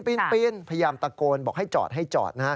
ปิ้นพยายามตะโกนบอกให้จอด